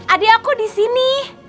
adi aku disini